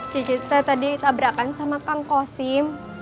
cici tadi tabrakan sama kang koshim